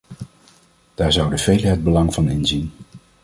Daar zouden velen het belang van inzien.